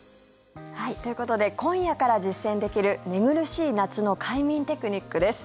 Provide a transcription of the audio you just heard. ということで今夜から実践できる寝苦しい夏の快眠テクニックです。